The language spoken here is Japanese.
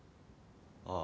ああ。